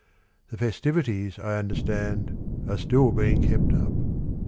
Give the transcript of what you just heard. The festivities, I understand, Are still being kept up.